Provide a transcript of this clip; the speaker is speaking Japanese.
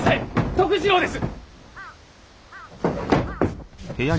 徳次郎です！